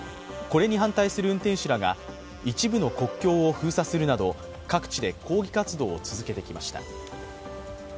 これに反対する運転手らが一部の国境を封鎖するなど各地で抗議活動を続けてきました。